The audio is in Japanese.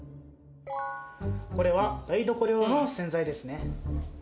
これは台所用の洗剤ですね。